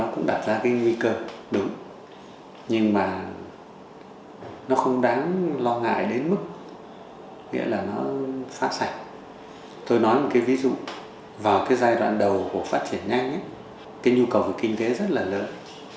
cái nhu cầu về kinh tế rất là lớn